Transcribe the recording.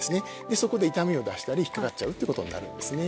そこで痛みを出したり引っかかっちゃうってことになるんですね